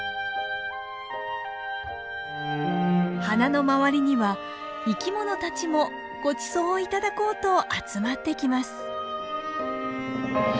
花の周りには生きものたちもごちそうを頂こうと集まってきます。